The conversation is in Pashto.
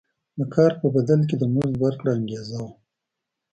د کار په بدل کې د مزد ورکړه انګېزه وه.